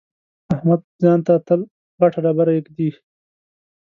احمد ځان ته تل غټه ډبره اېږدي.